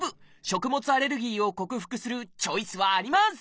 食物アレルギーを克服するチョイスはあります！